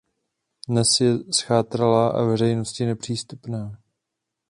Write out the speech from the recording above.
Dnes je zchátralá a veřejnosti nepřístupná.